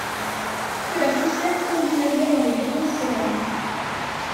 De la poussière tourbillonnait dans les rayons de soleil.